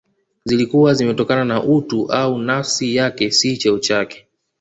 Zilikuwa zimetokana na utu au nafsi yake si cheo chake